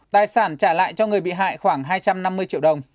tài sản trả lại cho người bị hại khoảng hai trăm năm mươi triệu đồng